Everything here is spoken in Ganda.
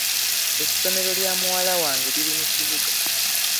Essomero lya muwala wange liri mu kibuga.